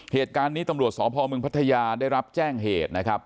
เหตุการณ์นี้ตำรวจสพมพัทยาได้รับแจ้งเหตุนะครับ